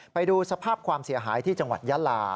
ไปดูสภาพความเสียหายที่จังหวัดยาลา